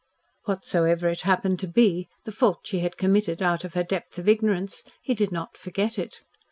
Whatsoever it happened to be, the fault she had committed out of her depth of ignorance, he did not forget it.